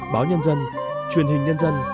báo nhân dân truyền hình nhân dân